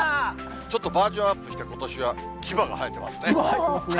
ちょっとバージョンアップして、ことしは牙が生えてますね。